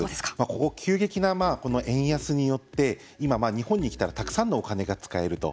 ここ急激な円安によって今、日本に来たらたくさんのお金が使えると。